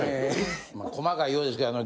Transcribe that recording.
細かいようですけども。